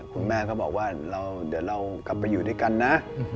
คุณแม่ก็บอกว่าเราเดี๋ยวเรากลับไปอยู่ด้วยกันนะ